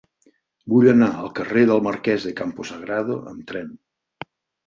Vull anar al carrer del Marquès de Campo Sagrado amb tren.